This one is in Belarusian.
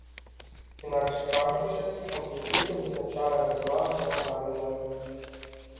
Інакш кажучы, амплітуда вызначае размах ваганняў.